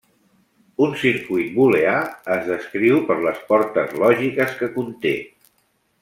Un circuit booleà es descriu per les portes lògiques que conté.